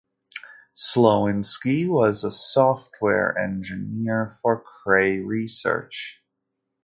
Slowinski was a software engineer for Cray Research.